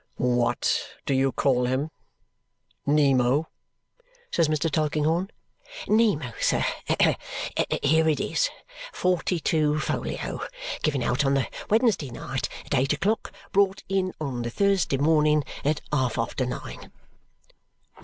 "WHAT do you call him? Nemo?" says Mr. Tulkinghorn. "Nemo, sir. Here it is. Forty two folio. Given out on the Wednesday night at eight o'clock, brought in on the Thursday morning at half after nine."